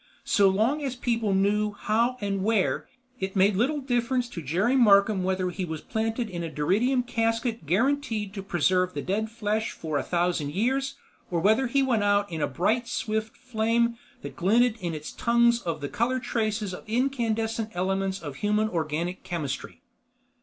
So long as people knew how and where, it made little difference to Jerry Markham whether he was planted in a duridium casket guaranteed to preserve the dead flesh for a thousand years or whether he went out in a bright swift flame that glinted in its tongues of the color traces of incandescent elements of human organic chemistry.